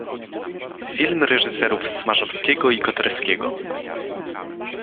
Filmy reżyserów Smarzowskiego i Koterskiego.